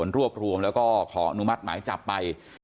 แล้วตัวกับบริสุทธิ์นะฮะ